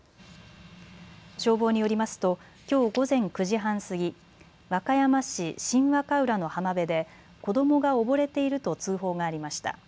消防によりますときょう午前９時半過ぎ、和歌山市新和歌浦の浜辺で子どもが溺れていると通報がありました。